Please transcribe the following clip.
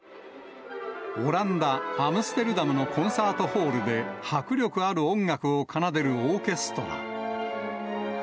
オランダ・アムステルダムのコンサートホールで、迫力ある音楽を奏でるオーケストラ。